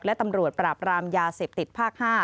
และตำรวจปราบรามยาเสพติดภาค๕